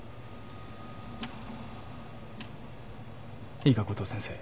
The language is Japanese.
いいか五島先生。